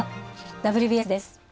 「ＷＢＳ」です。